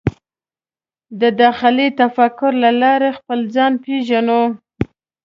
د داخلي تفکر له لارې خپل ځان پېژنو.